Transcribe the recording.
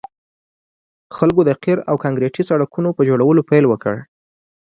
خلکو د قیر او کانکریټي سړکونو په جوړولو پیل وکړ